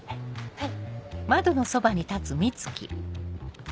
はい。